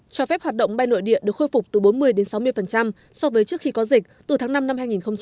cho phép hoạt động bay nội địa được khôi phục từ bốn mươi đến sáu mươi so với trước khi có dịch từ tháng năm năm hai nghìn hai mươi